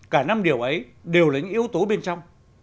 cả năm điều ấy đều là những yếu tố bên trong